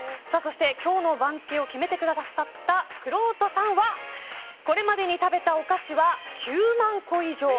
今日の番付を決めてくださったくろうとさんはこれまでに食べたお菓子は９万個以上。